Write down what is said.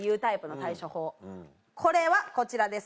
これはこちらです